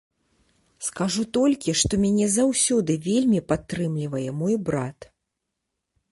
Скажу толькі, што мяне заўсёды вельмі падтрымлівае мой брат.